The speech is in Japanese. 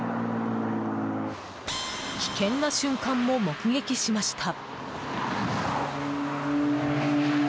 危険な瞬間も目撃しました。